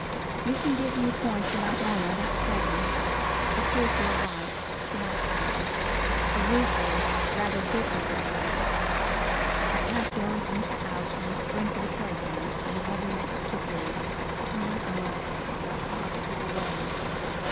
"You can give me points about honour, that's certain. Of course, you are right," he laughed again, a rueful, rather bitter little laugh. "I can't go and hunt her out on the strength of a telegram I was never meant to see. But, my God! it is hard to keep away."